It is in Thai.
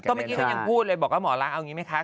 เพราะว่าเมื่อกี้เขายังพูดเลยบอกว่าหมอลักษณ์เอาอย่างงี้ไหมคะ